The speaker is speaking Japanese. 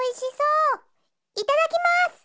いただきます！